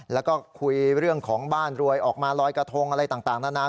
แล้วก็คุยเรื่องของบ้านรวยออกมาลอยกระทงอะไรต่างนานา